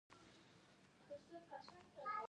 🚖 ټکسي